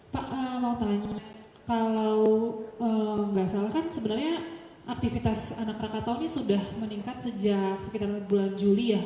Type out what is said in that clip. pak mau tanya kalau nggak salah kan sebenarnya aktivitas anak rakatau ini sudah meningkat sejak sekitar bulan juli ya